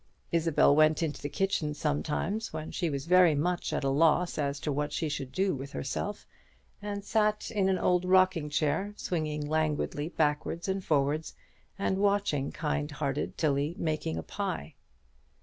Isabel went into the kitchen sometimes, when she was very much at a loss as to what she should do with herself, and sat in an old rocking chair swinging languidly backwards and forwards, and watching kind hearted Tilly making a pie.